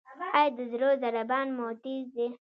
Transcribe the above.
ایا د زړه ضربان مو تېز دی؟